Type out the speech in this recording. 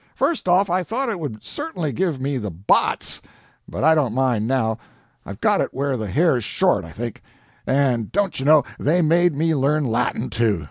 "First off, I thought it would certainly give me the botts, but I don't mind now. I've got it where the hair's short, I think; and dontchuknow, they made me learn Latin, too.